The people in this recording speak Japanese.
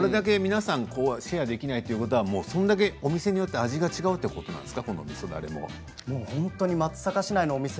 皆さんシェアできないっていうことはそれだけお店によって味が違うということですか？